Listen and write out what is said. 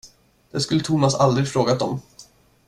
Det skulle Thomas aldrig frågat om.